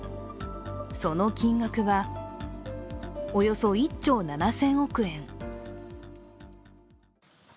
その金額は、およそ１兆７０００億円。